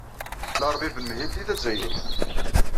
Larbi Ben M hidi d Azzayri.